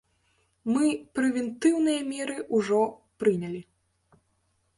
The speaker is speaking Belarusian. Мы прэвентыўныя меры ўжо прынялі.